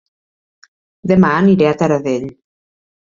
Dema aniré a Taradell